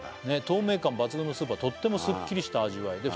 「透明感抜群のスープはとってもすっきりした味わいで」